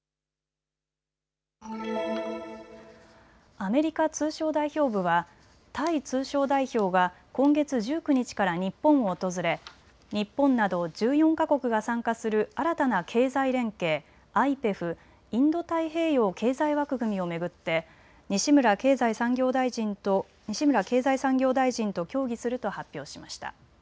アメリカ通商代表部はタイ通商代表が今月１９日から日本を訪れ日本など１４か国が参加する新たな経済連携、ＩＰＥＦ・インド太平洋経済枠組みを巡って西村経済産業大臣と協議すると発表しました。